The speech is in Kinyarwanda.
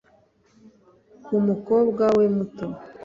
ku mukobwa we muto.